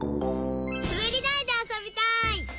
すべりだいであそびたい。